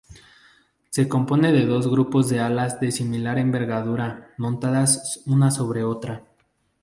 Se compone de dos grupos de alas de similar envergadura, montadas una sobre otra.